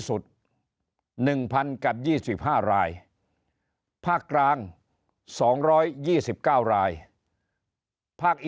สุด๑๐๐๐กับ๒๕รายภาคกลาง๒๒๙รายภาคอีสาน๔๐๐รายภาคใต้